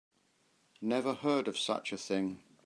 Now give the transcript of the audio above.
Never heard of such a thing.